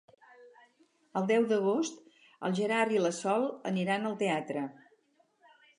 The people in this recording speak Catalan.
El deu d'agost en Gerard i na Sol aniran al teatre.